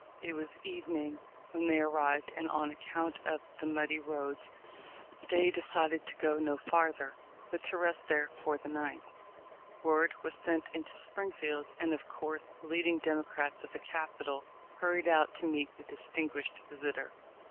It was evening when they arrived, and on account of the muddy roads they decided to go no farther, but to rest there for the night. Word was sent into Springfield, and of course the leading Democrats of the capital hurried out to meet the distinguished visitor.